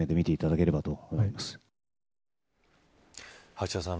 橋田さん